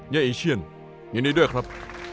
เยอะอีเชี่ยนยินดีด้วยครับ